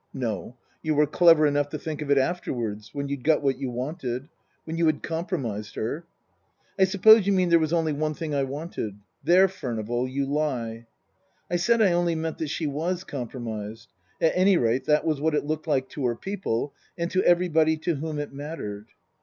"No. You were clever enough to think of it afterwards when you'd got what you wanted. When you had compromised her." " I suppose you mean there was only one thing I wanted ? There, Furnival, you lie." I said I only meant that she was compromised. At any rate, that was what it looked like to her people and to everybody to whom it mattered.